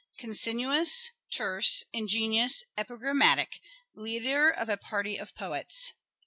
Concinnous, terse, ingenious, epigram matic— leader of a party of poets.